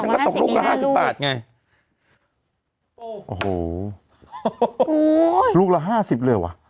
ถ้างั้นก็ตกลูกละห้าสิบบาทไงโอ้โหโอ้โหลูกละห้าสิบเลยเหรอวะ